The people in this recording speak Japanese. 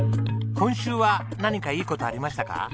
今週は何かいい事ありましたか？